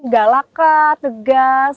galak kah tegas